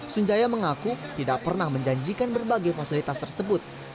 sunjaya mengaku tidak pernah menjanjikan berbagai fasilitas tersebut